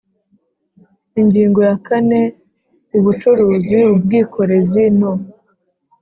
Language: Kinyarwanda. Ingingo ya kane Ubucuruzi ubwikorezi no